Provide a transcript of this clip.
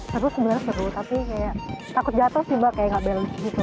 seru sebenarnya seru tapi kayak takut jatuh sih mbak kayak gak berhasil